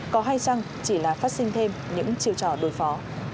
có hay rằng chỉ là phát sinh thêm những chiều trò đối phó